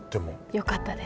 よかったです。